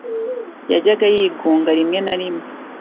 Yajyaga yigunga rimwe na rimwe